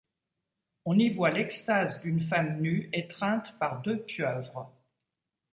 On y voit l’extase d’une femme nue étreinte par deux pieuvres.